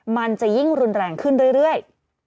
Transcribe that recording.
มันจะยิ่งเหลืองแลกขึ้นเรื่อย